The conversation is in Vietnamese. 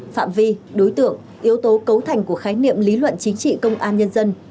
phạm vi đối tượng yếu tố cấu thành của khái niệm lý luận chính trị công an nhân dân